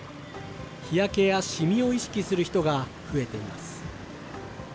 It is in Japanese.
日焼けやシミを意識する人が増えています。